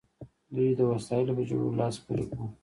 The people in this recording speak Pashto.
دوی د وسایلو په جوړولو لاس پورې کړ.